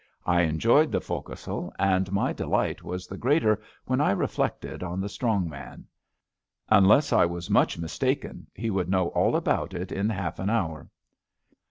I enjoyed the fo^c'sle, and my delight was the greater when I reflected on the strong man. Unless I was much mistaken, he would know all about it in half an hour.